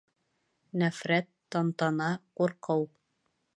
Нәфрәт, тантана, ҡурҡыу.